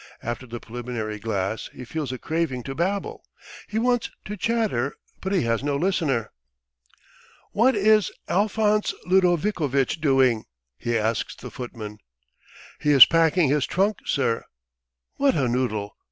After the preliminary glass he feels a craving to babble. He wants to chatter, but he has no listener. "What is Alphonse Ludovikovitch doing?" he asks the footman. "He is packing his trunk, sir." "What a noodle!